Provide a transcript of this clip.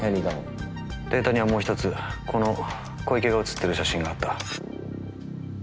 データにはもう一つこの小池が写っている写真があった。